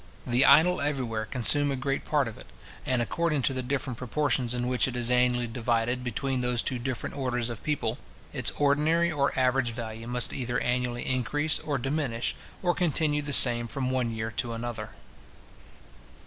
The idle everywhere consume a great part of it; and, according to the different proportions in which it is annually divided between those two different orders of people, its ordinary or average value must either annually increase or diminish, or continue the same from one year to another.